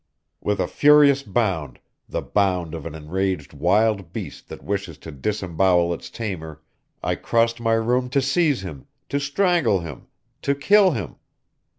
With a furious bound, the bound of an enraged wild beast that wishes to disembowel its tamer, I crossed my room to seize him, to strangle him, to kill him!...